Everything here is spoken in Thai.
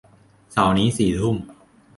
เสาร์นี้สี่ทุ่ม